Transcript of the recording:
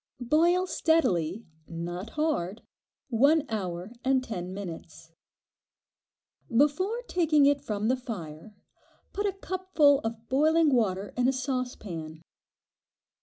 Boil steadily, not hard, one hour and ten minutes. Before taking it from the fire, put a cupful of boiling water in a saucepan.